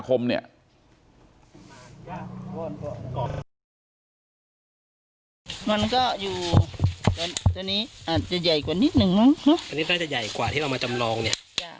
ตอนนี้ได้จะใหญ่กว่าที่เรามาจำลองนี่